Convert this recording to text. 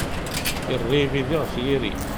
Irra ibidi ɣef yiri.